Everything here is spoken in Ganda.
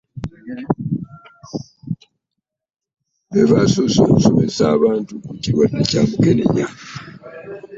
Be basoose okusomesa abantu ku kirwadde kya Mukenenya.